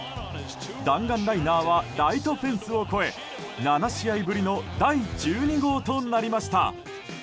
弾丸ライナーはライトフェンスを越え７試合ぶりの第１２号となりました。